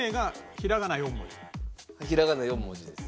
ひらがな４文字です。